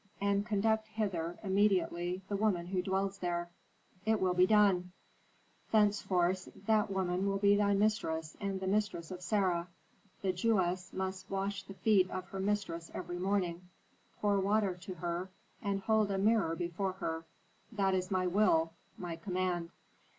"And conduct hither, immediately, the woman who dwells there." "It will be done." "Thenceforth that woman will be thy mistress and the mistress of Sarah; the Jewess must wash the feet of her mistress every morning, pour water to her, and hold a mirror before her. That is my will, my command."